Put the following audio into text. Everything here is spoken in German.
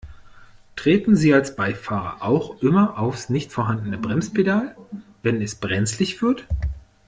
Treten Sie als Beifahrer auch immer aufs nicht vorhandene Bremspedal, wenn es brenzlig wird?